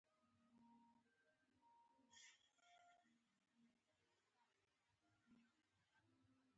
د کیسې پېښه څه ډول ده کرکټرونه.